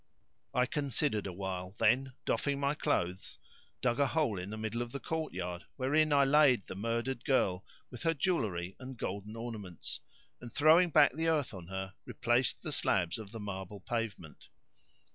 I considered awhile then, doffing my clothes, dug a hole in the middle of the court yard, wherein I laid the murdered girl with her jewellery and golden ornaments; and, throwing back the earth on her, replaced the slabs of the marble[FN#591] pavement.